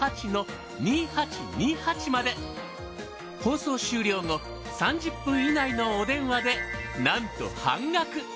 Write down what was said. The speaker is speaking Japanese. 放送終了後３０分以内のお電話でなんと半額。